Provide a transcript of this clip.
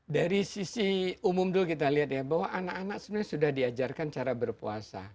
dari sisi umum dulu kita lihat ya bahwa anak anak sebenarnya sudah diajarkan cara berpuasa